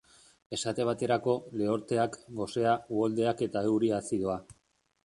Esate baterako, lehorteak, gosea, uholdeak eta euri azidoa.